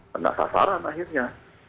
pernah sasaran akhirnya